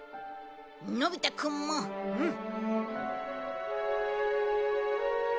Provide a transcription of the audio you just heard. のび太くんも。うん。